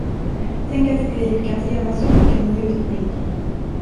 Tänk att ett liv kan få gömma så mycken njutning.